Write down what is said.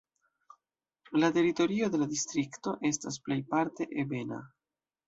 La teritorio de la distrikto estas plejparte ebena.